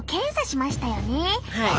はい。